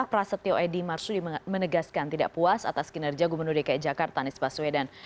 prasetyo edy marsudi menegaskan tidak puas atas kinerja gubernur dki jakarta anies baswedan